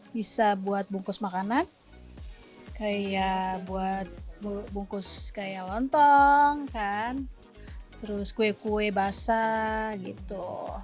bisa buat bungkus makanan kayak buat bungkus kayak lontong kan terus kue kue basah gitu